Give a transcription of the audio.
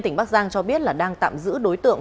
tỉnh bắc giang cho biết là đang tạm giữ đối tượng